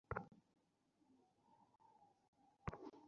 কেননা, তখন তারা সেখানে আমাদের সাথেই ছিল।